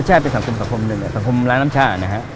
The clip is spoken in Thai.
ใช่เป็นสังคมสังคมหนึ่งสังคมร้านน้ำชานะฮะ